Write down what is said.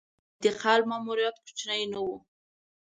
د انتقال ماموریت کوچنی نه و.